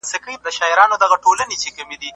زه به سبا د سبا لپاره د يادښتونه ترتيب کوم!؟